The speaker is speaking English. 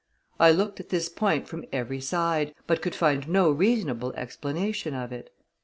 I looked at this point from every side, but could find no reasonable explanation of it.